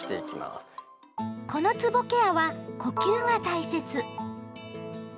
このつぼケアは呼吸が大切。